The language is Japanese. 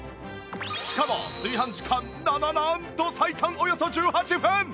しかも炊飯時間なななんと最短およそ１８分！